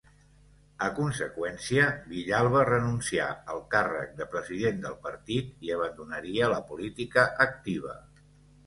A conseqüència, Villalba renuncià al càrrec de president del partit, i abandonaria la política activa.